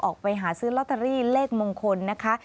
ออกไปหาซื้อลอตเตอรี่เลขมงคลนะคะ